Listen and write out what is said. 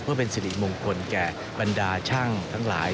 เพื่อเป็นสิริมงคลแก่บรรดาช่างทั้งหลาย